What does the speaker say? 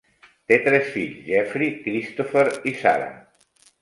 Té tres fills: Jeffrey, Christopher i Sarah.